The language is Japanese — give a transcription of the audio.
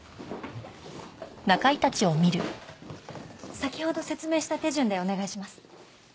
先ほど説明した手順でお願いします。